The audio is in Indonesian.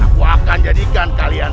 aku akan jadikan kalian